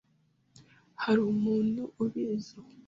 Hari umuntu ubizo?